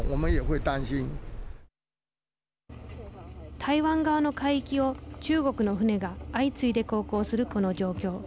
台湾側の海域を中国の船が相次いで航行するこの状況。